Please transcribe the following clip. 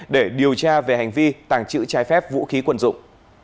để điều tra về hành vi tàng trữ trái phép vũ khí quần dụng